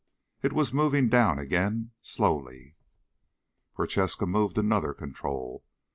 It was moving down again, slowly. Prochaska moved another control.